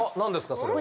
それは。